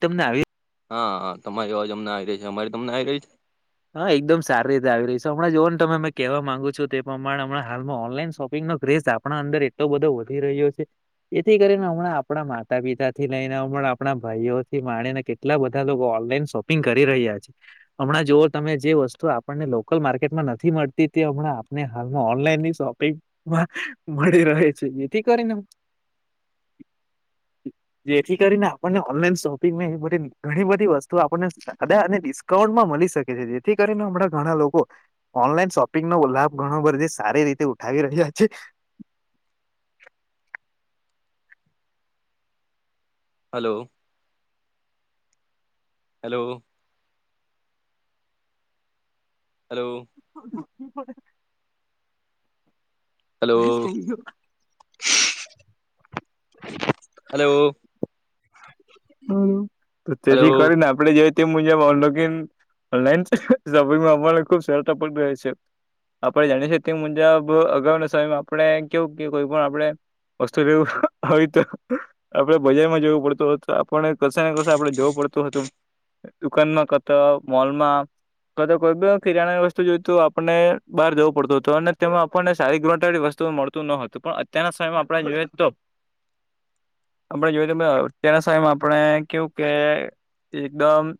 તમને આવી હા હા તમારી અવાજ અમને આવી રહી છે અમારી તમને આવી રહી છે. હા એકદમ સારી રીતે આવી રહી છે હમણાં જોવાને તમે કહેવા માંગુ છું તે પ્રમાણે હમણા હાલમાં ઓનલાઈન શોપિંગ નો ક્રેઝ આપ આપણા અંદર એટલો બધો વધી રહ્યો છે. એથી કરીને હમણાં આપણા માતા પિતા થી લઈને હમણાં આપણા ભાઈઓ થી માણી એટલા બધા લોકો ઓનલાઈન શોપિંગ કરી રહ્યા છે, હમણાં જો. તમે જે વસ્તુ આપણને લોકલ માર્કેટમાં નથી મળતી તે હમણાં આપને હાલમાં ઓનલાઈન શોપિંગ. મળી રહે છે, જેથી કરીને. જેથી કરીને આપણને ઓનલાઈન શોપિંગમાં એ બધ ઘણી બધી વસ્તુ આપણને [unintelligible] અને ડિસ્કાઉન્ટમાં મળી શકે. [unintelligible] થી કરીને હમણાં ઘણા લોકો. ઓનલાઈન શોપિંગ નો લાભ ઘણો બર જે સારી રીતે ઉઠાવી રહ્યા છે. Hello. Hello. Hello. [inaudible] Hello [inaudible] [inaudible] hello. [unintelligible] Hello તેથી કરીને. આપણે જોઈએ તે મુજબ ઓનલાઈન [unintelligible] શોપિંગમાં આપને ખુબ [unintelligible] રહે છે. આપડણે જાણી [unintelligible] તે મુજબ અગાઉના સમયમાં આપડણે કેવું કે કોઈ પણ આપડણે. [unintelligible] હવે તો આપડે બજારમાં જવું પડતું હત આપણને કશે ને કશે આપડણે જોવું પડતું હતું. દુકાનમાં કતા મોલમાં. [unintelligible] કોઈ કિરાણાની વસ્તુ જોઈ તો આપણને બહાર જવું પડતું હતું અને તેમાં આપણને સારી [unintelligible] વસ્તુ મળતી. ન હતું પણ અત્યારના સમયમાં આપણે જોઈએ તો. આપડણે જોય ત અત્યારના સાયમાં આપણે [unintelligible] એકદમ.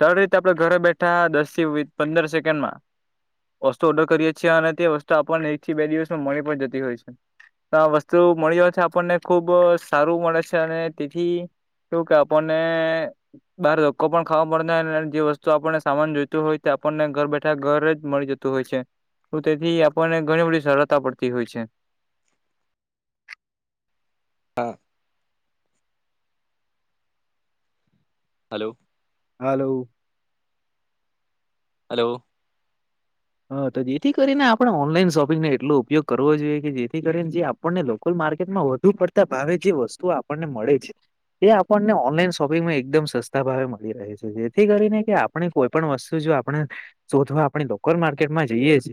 સરળ રીતે આપડે ઘરે બેઠા દસ થી પંદર સેકન્ડ માં. વસ્તુ ઓર્ડર કરીએ છીએ અને તે વસ્તુ આપણને એક થી બે દિવસમાં મળી પણ જતી હોય છે. [unintelligible] વસ્તુ મળી હોય. આપણને ખુબ સારું મળે છે, અને તેથી એવું કે આપણને. બાર લોકો પણ ખાવા મળ જે વસ્તુ આપણને સામાન જોઈતું હોય તે આપણને ઘર બેઠા ઘરે જ મળી [unintelligible] હોય છે, તો તેથી આપણને ઘણી બી સરળતા પડતી હોય છે. હા. હલો. હાલો. હલો. હા તો જેથી કરીને આપણે ઓનલાઈન શોપિંગને એટલો ઉપયોગ કરવો જોઈએ કે જેથી કરીને જે આપણને લોકલ માર્કેટમાં વધુ પડતા ભાવે જે વસ્તુ આપણને મળે છે. એ આપણને ઓનલાઈન શોપિંગમાં એકદમ સસ્તા ભાવે મળી રહે છે, જેથી કરીને. આપ કોઈ પણ વસ્તુ જો આપણે શોધવા આપણી લોકલ માર્કેટમાં જઈએ છે.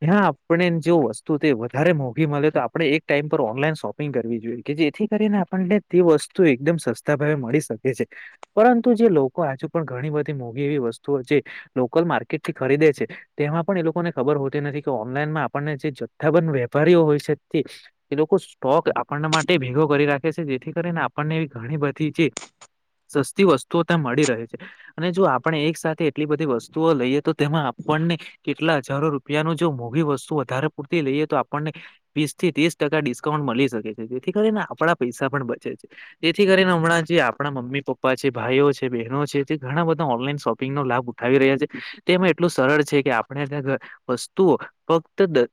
ત્યાં આપણે જો વસ્તુ તે વધારે મોંઘી મળે તો આપણે એક ટાઈમ પર ઓનલાઈન શોપ. [unintelligible] જોઈએ કે જેથી કરીને આપણને તે વસ્તુ એકદમ સસ્તા ભાવે મળી શકે છે. પરંતુ જે લોકો આજુ પણ ઘણી બધી મોઘી એવી વસ્તુઓ છે લોકલ માર્કેટ થી ખરીદે છે તેમાં પણ એ લોકોને ખબર હોતી નથી કે ઓનલાઈનમાં આપણને જે જથ્થાબંધ વેપારીઓ હોય છે એ લોકો સ્ટોક આપણને માટે ભેગો કરી રાખે છે જેથી કરીને આપણને એ ઘણી બધી છે સસ્તી વસ્તુ ત્યાં મળી રહે છે, અને જો આપણે એક સાથે એટલી બધી વસ્તુઓ લઈએ તો તેમાં આપણને. કેટલા હજારો રૂપિયા ન જો મોઘી વસ્તુ વધારે પૂરતી લઈએ તો આપણને. વીસ થી ત્રીસ ટકા ડિસ્કાઉન્ટ મળી શકે છે, જેથી કરીને આપણા પૈસા પણ બચે છે. તેથી કરીને હમણાં જે આપણા મમ્મી પપ્પા છે, ભાઈઓ છે, બહેનો છે, તે ઘણા બધા ઓનલાઈન શોપિંગ નો લાભ ઉઠ [unintelligible] રહ્યા છે, તેમાં એટલું સરળ છે, કે આપણે તં વસ્તુઓ ફક્ત.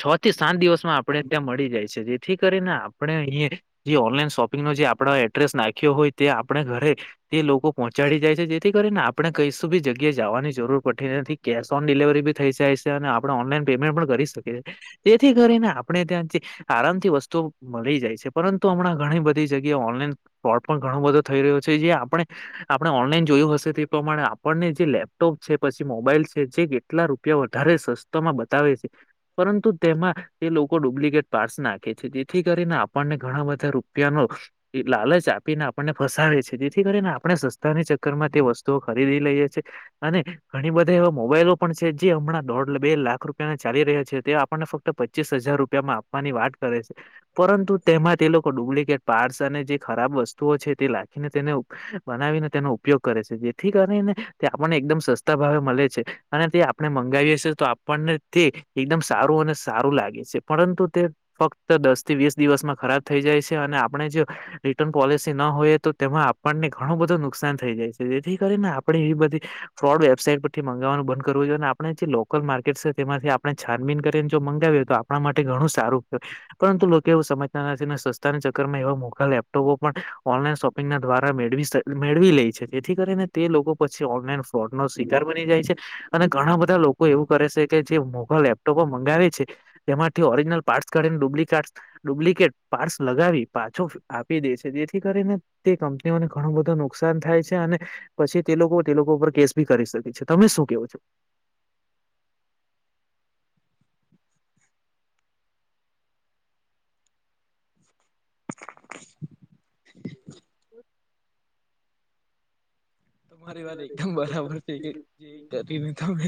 છ થી સાત દિવસમાં આપણે ત્યાં મળી જાય છે, જેથી કરીને આપણે અહીં. જે ઓનલાઈન શોપિંગનો જે આપ એડ્રેસ નાખ્યો હોય તે આપણે ઘરે. તે લોકો પોહોંચાડી જાય છે જેથી કરીને આપણે કઈશું બી જગ્યાએ જવાની જરૂર પડતી નથી કેશ ઓન ડિલિવરી બી થઈ જાય છે અને આપણે ઓનલાઈન પેમેન્ટ પણ કરી શકીએએ તેથી કરીને આપણે ત્યાં આરામથી વસ્તુ મળી જાય છે પરંતુ હમણાં ઘણી બધી જગ્યા ઓનલાઈન સ્ોટ પણ ઘણો બધો થઈ રહ્યો છે જે આપણે આપણે ઓનલાઈન જોયું હશે તે પ્રમાણે આપણને જે લેપટોપ છે પછી મોબાઈલ જે કેટલા રૂપિયા વધારે સસ્તામાં બતાવે છે પરંતુ તેમાં એ લોકો ડુપ્લિકેટ પારસ નાખે છે જેથી કરીને આપણને ઘણા બધા રૂપિયાનો લાલચ આપીને આપણને ફસાવે છે જેથી કરીને આપણે સસ્તાની ચક્કર માં તે વસ્તુઓ ખરીદી લઈએ છ છેએ અને ઘણી બધી એ મોબાઈલો પણ છે જે હમણાં દોઢ બે લાખ રૂપિયાને ચાલી રહ્યા છે તે આપણને ફક્ત પચીસ હજાર રૂપિયામાં આપ ની વાત કરે છે પરંતુ તેમાં તે લોકો ડુપ્લિકેટ પાર્ટ્સ અને જે ખરાબ વસ્તુઓ છે તે લખીને તેને બનાવીને તેનો ઉપયોગ કરે છે જેથી કરીને તે આપણને એકદમ સસ્તા ભાવે મળે છે અને તે આપણે મંગાવીએ છે તો આપણને તે એકદમ સારું અને સારું લાગે છે પરંતુ તે ફક્ત દસ થી વીસ દિવસમાં ખરાબ થઈ જાય છે અને આપણે જો રિટર્ન પોલિસી ન હોય તો તેમાં આપણને ઘણું બધું નુકસાન થઈ જાય છે જેથી કરીને આપણે એવી બધી ફોડ વેબઇટ પર મંગાવવાનું બંધ કરવું જોઈએ અને આપણે જે લોકલ માર્કેટ છે તેમાંથી આપણે છાનબીન કરીને જો મંગાવીએય તો આપણે આપણા માટે ઘણું સારું પરંતુ લોકો એવું સમજતા નથી ને સસ્તાની ચકરમાં એવા મોઘા લેપટોપો પણ ઓનલાઈન શોપ ્વા મેળ લે છે જેથી કરીને તે લોકો પછી ઓનલાઈન ફ્રોડ નો શાર બની જાય છે અને ઘણા બધા લોકો એવું કરે છે કે જે મોઘા લેપટોપ મંગાવે છે એમાંથી ઓિજિનલ પાર્ટ કાર્ડ અને ડુપ્લિકેટ ડુપ્લિકેટ પાર્સ લગાવી પાછો આપી દે છે જેથી કરીને તે કંપનીઓને ઘણું બધું નુકસાન થાય છે અને પછી તે લોકો તે લોકો ઉપર કેસ ભી કરી શકે તમે શું કેવો છો [inaudible] હમ તમારી વાત એકદમ બરાબર છે કે જે કરીને તમે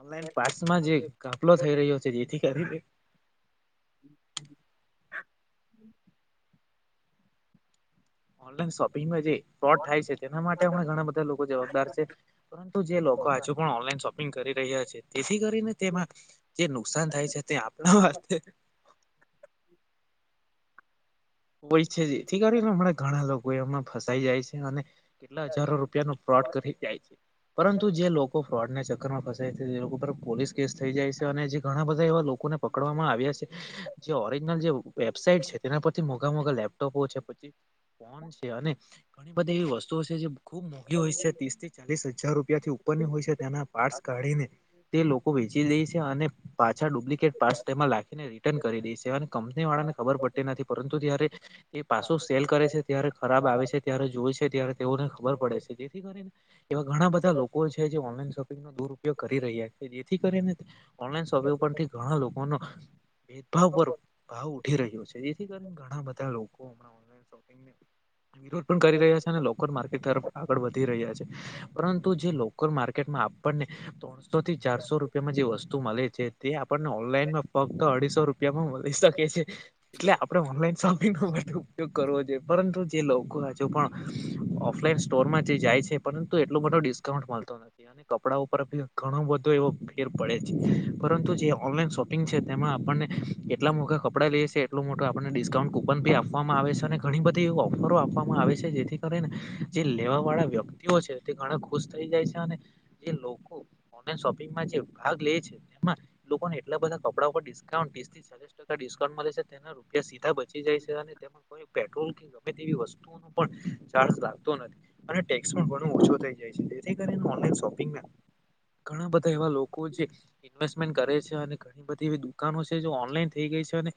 ઓનલાઈન પાર્ટસમાં જે કાફલો થઈ રહ્યો છે જેથી કરી ઓનલાઈન શોપિંગમાં જે ફ્રોડ થાય છે તેના માટે પણ ઘણા બધા લોકો જવાબદાર છે પરંતુ જે લોકો હજુ પણ ઓનલાઈન શોપિંગ કરી રહ્યા છે તેથી કરીને તેમાં જે નુકસાન થાય છે તે આપણા હ હોય છે જેથી કરી ને હમણાં ઘણા લોકો એમમાં ફસાઈ જાય છે અને કેટલા હજારો રૂપિયા ન ફ્રોડ કરી જાય છે પરંતુ જે લોકો ફ્રોડને રમાં ફસાય છે એ લોકો પર પોલીસ કેસ થઈ જાય છે અને જે ઘણા બધા એવા લોકોને પકડવામાં આવ્યા છે જે ઓરિજનલ જે વેબસાઇટ છે તેનાછી થી મોઘા મોઘા લેપટોપો છે પછી ફોન છે અને ઘણી બધી એવી વસ્તુઓ છે જે ખુબ મોંઘી હોય છે ત્રીસ થી ચાલીસ હજાર ર રૂથી ઉપરની હોય છે તેના પાર્ટસ કાઢીને તે લોકો વેચી દે છે અને પાછા ડુપ્લિકેટ પાસ તેમાં લખીને રિટર્ન કરી દે છે અને કંપની વાળાને ખબર પડતી નથી પરંતુ જ્યારે એ પાછું સેલ કરે છે ત્યારે ખરાબ આવે છે ત્યારે જોય છે ત્યારે તેઓને ખબર પડે છે જેથી કરીને એવા ઘણા બધા લોકો છે જે ઓનલાઈન શોપિંગ દુરયોગ કરી રહ્યા છે જેથી કરીને ઓનલાઈન શોપંગ ઉપથી ઘણા લોકોનો ભેદભાવ પર ભાવ ઉઠી રહ્યો છે જેથી કરી ઘણા બધા લોકો હમણાં ઓનલા શોપિંગ વિરોધ પણ કરી રહ્યા છે અને લોકોલ માર્કેટ તરફ આગળ વધી રહ્યા છે પરંતુ જે લોકલ માર્કેટમાં આપણને ત્રણસો થી ચારસો રૂપિયામાં જે વસ્તુ મળે છે તે આપણને ઓનલાઈનમાં ફક્ત અઢીસો રૂપિયામાં મળી શકે છે એટલે આપ ઓનલાન શોપિંગ ન માટે ઉપયોગ કરવો જોઈએ પરંતુ જે લોકો હજુ પણ ઓફલાઈન સ્ટોરમાંથી જાય છે પરંતુ એટલો મોટો ડિસ્કાઉન્ટ મળતો નથી અને કપડા ઉપર ઘણો બધો એવો ફેર પડે છે પરંતુ જે ઓનલાઈન શોપ તેમાં આપણને એટલા મોટા કપડા લઈએી એટલું મોટ આપને ડિસ્કાઉન્ટ કુપન ભી આપવામાં આવે છે અને ઘણી બધી એવી ઓફરો આપવામાં આવે છે જેથી કરીને જે લેવા વાળા વ્યક્તિઓ છે તે ઘણા ખુશ થઈ જાય છે અને જે લોકો ઓનલાન શોપિંગમાં જે ભાગ લે છે એમાં લોકોને એટલા બધા કપડા ઉપ ડિકાઉન્ટ પસ ટકા ડિસ્કાઉન્ટ મળે છે તેને ત્યા સીધા બચી જાય છે અને તેમાં કોઈ પેટ્રોલ કે ગમે તે એવી વસ્તુઓ ન પણ ચાર્જ લાગતો નથી અને ટેક્સ પણ ઘણ ઓછો થઈ જાય છે તેથી કરી શોપિંગ ઘણા બધા એવા લોકો જે ઇન્વેસ્ટમેન્ટ કરે છે અને ઘણી બધી એવી દુકાનો છે જો ઓનલાઈન થઈ ગઈ છે ને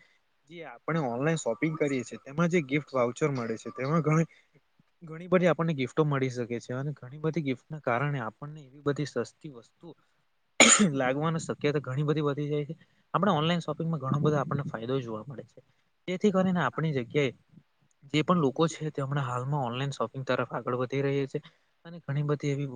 જે આપણે ઓનલાઈન શોપિંગ કરીએ છીએ તેમાં જે ગિફ્ટ વાઉચર મળે છે તેમાં ઘણ ઘણી બધી આપણને ગિફ્ટો મળી શકે છે અને ઘણી બધી ગિફ્ટના કારણે આપણને એવી બધી સસ્તી વસ્તુ લાગવાની શક્યતા ઘણી બધી વધી જાય છે આપણે ઓનલાઈન શોપિંગમાં ઘણો બધા આપણને ફાયદો જોવા મળ મળે છે તેથી કરીને આપણી જગ્યાએ જે પણ લોકો છે તે હમણાં હાલમાં ઓનલાઈન શોપિંગ તરફ આગળ વધી રહ્યા છે અને ઘણી બધી એવી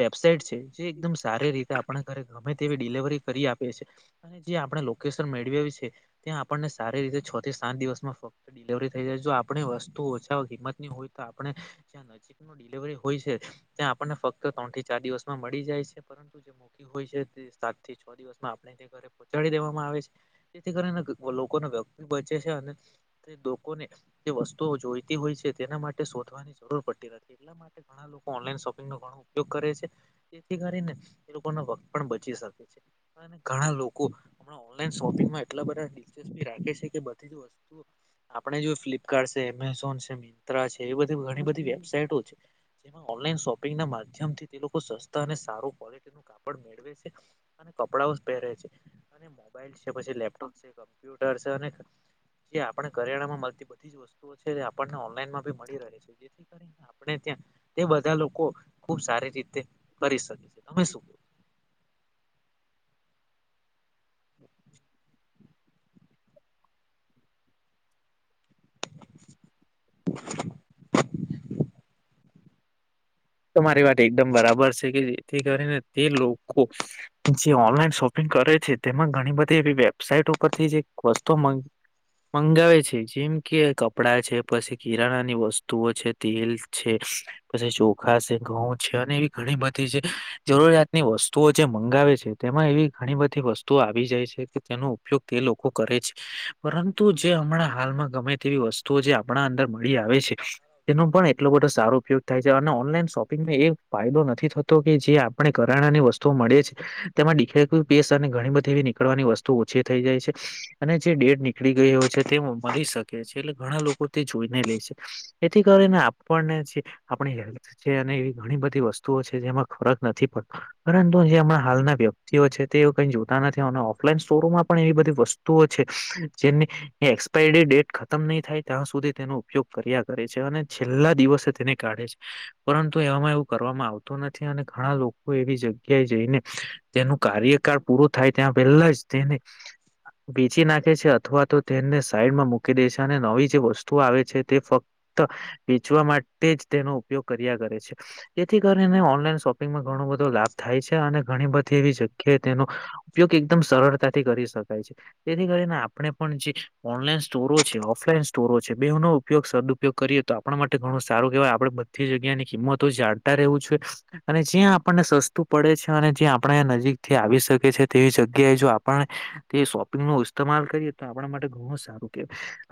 વેબસાઇટ છે જે એકદમ સારી રીતે આપ ઘરે ગમે તેવી ડિલિવરી કરી આપએ છ છેએ અને જે આપણે લોકેશન મેળવીવી છે ત્યાં આપણને સારી રીતે છ થી સાત દિવસ માં ફ ડિલવરી થઈ જાય જો આપણે વસ્તુ ઓછા કિંમત ની હોય તો આપણે ત્યાં રી હોય છે્યાં આપણને ફક્ત ત્રણ થી ચાર દિવસમાં મળી જાય છે પરંતુ મૂકી હોય છે તે સાત થી છ દિવસમાં આપણે તે ઘરે પહોચાડી દેવામાં આવે છે તેથી કરીને લોકોને વ્યક્તિ બચે છે અને તે લોકોને જે વસ્તુઓ જોઈતી હોય છે તેના માટે શોધવાની જરૂર પડતી નથી એટલા માટે ઘણા લોકો ઓનલાઈન શોપિંગ નો ઘો ઉપયોગ કરે છે તેથી કરીને એ લોકો ના વક્ત પણ બચી શકે છે ઘણા લોકો હમણાં ઓનલાઈન શોપિંગમાં એટલા બધા સ્પી રાખે છે કે બધી જ વસ્તુ આપણે જો ફ્લિપકાર્ટ છે એમેઝોન છે મી છે એ બધી ઘણી બધી વેબસાાઈટો છે જેમાં ઓનલાઈન શોપિંગના માધ્યમથી તે લોકો સસ્તા અને સારું ક્વોલિટી નું કાપડ મેળવે છે અને કપડાઓ જ પહેરે છે અને મોબાઈલ છે પછી લેપટોપ છે ટ જે આપણે કરિયાણામાં મળતી બધી જ વસ્તુ છે આપણને ઓનલાઈનમાંી મળી રહે છે જેથી આપણે ત્યાં તે બધા લોકો ખુબ સારી રીતે કરી શકી છે તમે શું હરા તમારી વાત એકદમ બરાબર છે કે જેથી કરીને તે લોકો જે ઓનલાઈન શોપિંગ કરે છે તેમાં ઘણી બધી એવી વેબસાાઈટ ઉપરથી જે વસ્તુ મંગાવે છે જેમ કે કપડા છે પછી કિરાણાની વસ્તુઓ છે તેલ છે પછી ચોખા છે ઘઉં છે અને એવી ઘણી બધી છે જરૂરિયાતની વસ્તુઓ જે મંગાવે છે તેમાં એવી ઘણી બધી વસ્તુઓ આવી જાય છે કે તેનો ઉપયોગ તે લોકો કરે છે પરંતુ જે હમણાં હાલમાં ગમે તેવી વસ્ત તો જે આપણા અંદર મળી આવે છે તેનો પણ એટલો બધો સારો ઉપયોગ થાય છે અને ઓ ઓનલાઈન શોપિંગમાં એ ફાયદો નથી થતો કે જે આપણે કરાણા ની વસ્તુઓ મળે છે તેમાં દડીખે પેસ્ટ અને ઘણી બધી એવી નીકળવાની વસ્તુ ઓછી થઈ જાય છે અને જે ડેડ નીકળી ગયો છે તે મળી શકે છે એટલે ઘણા લોકો તે જોઈને લે છે એથી કરીને આપણને જે આપલ્ છે અને એવી ઘણી બધી વસ્તુઓ છે જેમાં ફરક નથી પડતો પરંતુ જે હમણા હાલના વ્યક્તિઓ છે તેઓ કઈ જોતા નથી અને ઓફલાઈન સ્ટોરોમાં પણ એવી બધી વસ્તુ તો છે જેને એ એક્સપાયરીડી ડેટ ખતમ નહી થાય ત્યાં સુધી તેનો ઉપયોગ કર્યા કરે છે અને છેલ્લા દિવસે તેને કાઢે છે. પરંતુ એવામાં એવું કરવામાં આવતું નથી અને ઘણા લોકો એવી જગ્યાએ જઈને તેનું કાર્યકાળ પૂરું થાય ત્યાં પહેલા જ તેને વેચી નાખે છે અથવા તો તેને સાઈડમાં મૂકી દે છે અને નવી જે વસ્તુ આવે છે તે ફક્ત ક્ત વેચવા માટે જ તેનો ઉપયોગ કર્યા કરે છે. જેથી કરીને ઓનલાઈન શોપિંગમાં ઘણો બધો લાભ થાય છે અને ઘણી બધી એવી જગ ખે તેનો ઉપયોગ એકદમ સરળતાથી કરી શકાય છે. તેથી કરીને આપણે પણ જે ઓનલાઈન સ્ટોરો છે ઓફલાઈન સ્ટોરો છે બેઓનો ઉપયોગ સદઉપયોગ કરીએ તો આપ આપણા માટે ઘણું સારું કેહેવાય આપડે બધી જગ્યાની કિંમતો જાણતા રહેવું છે. અને જ્યાં આપણને સસ્તું પડે છે અને જ્યાં આપણે નજીક થી આવી શકે છે તેવી જગ્યાએ જો આપણે તે શોપિંગ નો ઇસ્તેમાલ કરીએ તો આપણા માટે ઘણું સારું કે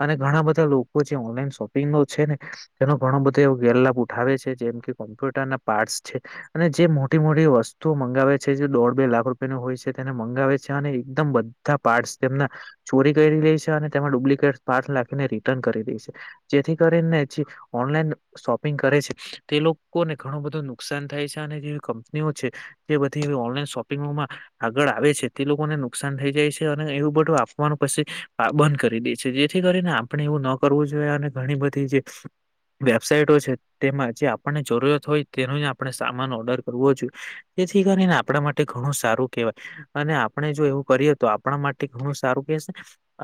અને ઘણા બધા લોકો જે ઓનલાઈન શોપિંગ નો છે ને એનો ઘણો બધા એ ગેરલાભ ઉઠ ઉઠાવે છે જેમ કે કોમ્પ્યુટર ના પાર્ટ્સ છે. અને જે મોટી મોટી વસ્તુઓ મંગાવે છે જે દોઢ બે લાખ રૂપિયા નું હોય છે તેને મંગાવે છે અને એકદમ બધ ધા પાર્ટ તેમના ચોરી કરી રે છે અને તેમાં ડુપ્લિકેટ પાર્ટ નાખીને રિટર્ન કરી દે છે. જેથી કરીને જે ઓનલાઈન શોપિંગ કરે છે તે લોકોને ઘણું બધું નુકસાન થાય છે અને જેવી કંપનીઓ છે તે બધી ઓનલાઈન શોપિંગોમાં આગળ આવે છે તે લોકોને નુકસાન થઈ જાય છે અને એવું બધું આપવાનું પછી બંધ કરી દે છે જેથી કરીને આપણે એવું ન કરવું જોઈએ અને ઘણી બધી જે વેબસાાઈટો છે તેમાં જે આપણને જરૂરત હોય તેનો જ આપણે સામાન ઓર્ડર કરવો જોઈએ. એથી કરી ને આપણા માટે ઘણું સારું કેહેવાય. અને આપણે જો એવું કરીએ તો આપણા માટે ઘણું સારું કેશે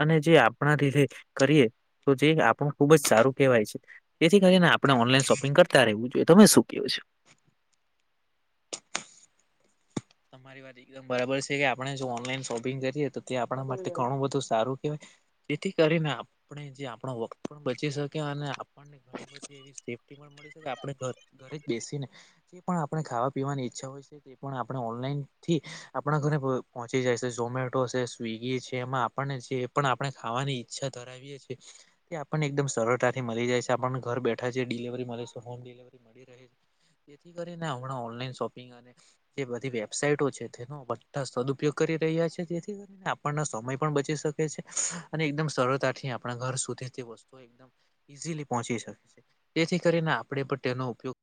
અને જે આપણા રીધે કરીએ તો જે આપણું ખુબ જ સારું કહેવાય છે તેથી કરીને આપણે ઓનલાઈન શોપ કરતા રહેવું જોઈએ તમે શું કેવો છે? તમારી વાત એકદમ બરાબર છે કે આપણે જો ઓનલાઈન શોપિંગ કરીએ તો ત્યા આપણા માટે ઘણું બધું સારું કેવાય જેથી કરીને આપણે જે આપણો વખત પણ બચી શકે અને આપણને ગણી એવી સેફ્ટી પણ મળે છે આપણે ઘર ઘરે જ બેસીને જે પણ આપણે ખાવા પીવાની ઈચ્છા હોય છે તે પણ આપણે ઓનલાઈન થી આપણા ઘરે ભ પહોંચી જાય છે ઝોમેટો છે, સ્વીગી છે, એમાં આપણને જે પણ આપણે ખાવાની ઈચ્છા ધરાવીએ છીએ તે આપણને એકદમ સરળતાથી મળી જાય છે આપણને ઘર બેઠા જે ડિલવરી મળે છે હોમ ડિલવરી મળી રહે જેથી કરીને હમણાં ઓનલાઈન શોપિંગ અને જે બધી વેબસાાઈટો છે તેનો બધા સદઉપયોગ કરી રહ્યા છે જેથી તે આપણના સમય પણ બચી શકે છે અને એકદમ સરળતાથી આપણા ઘર સુધી તે વસ્તુ એકદમ ઈઝીલી પહોંચી શકે છે તેથી કરીને આપણે પણ તેનો ઉપયોગ